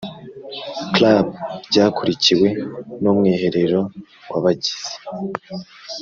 Club ryakurikiwe n Umwiherero w Abagize